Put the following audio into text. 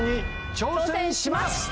挑戦します！